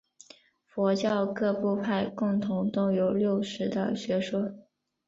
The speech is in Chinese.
佛教各部派共同都有六识的学说。